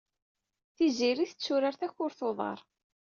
Tiziri tetturar takurt n uḍar.